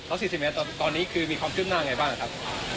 แล้ว๔๐เมตรตอนนี้คือมีความคืบหน้าไงบ้างครับ